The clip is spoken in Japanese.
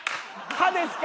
歯ですか？